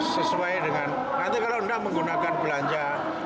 sesuai dengan nanti kalau anda menggunakan belanja